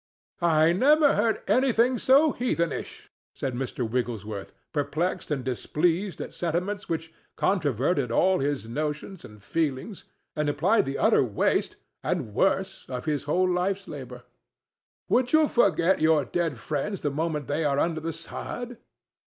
"I never heard anything so heathenish," said Mr. Wigglesworth, perplexed and displeased at sentiments which controverted all his notions and feelings and implied the utter waste, and worse, of his whole life's labor. "Would you forget your dead friends the moment they are under the sod?"